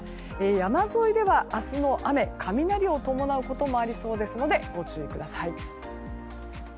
山沿いでは明日の雨雷を伴うこともありそうですのでご注意ください。